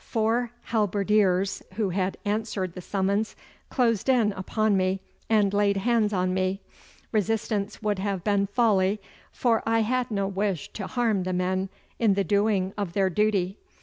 Four halberdiers who had answered the summons closed in upon me and laid hands on me. Resistance would have been folly, for I had no wish to harm the men in the doing of their duty.